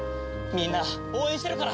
みんな応援してるから！